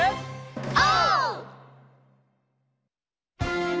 オー！